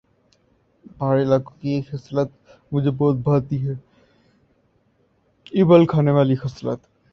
پہاڑی علاقوں کی یہ خصلت مجھے بہت بھاتی ہے یہ بل کھانے والی خصلت